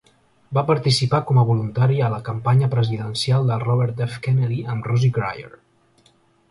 Va participar com a voluntari a la campanya presidencial de Robert F. Kennedy amb Rosie Grier.